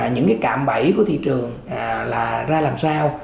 những cái cạm bẫy của thị trường là ra làm sao